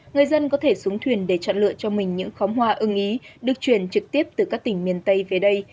người dân có thể xuống thuyền để chọn lựa cho mình những khóm hoa ưng ý được truyền trực tiếp từ các tỉnh miền tây về đây